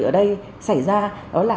ở đây xảy ra